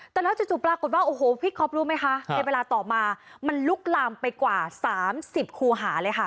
แต่แล้วจู่ปรากฏว่าโอ้โหพี่คอปรู้ไหมคะในเวลาต่อมามันลุกลามไปกว่า๓๐คูหาเลยค่ะ